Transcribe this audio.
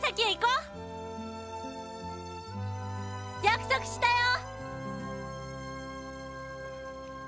約束したよ！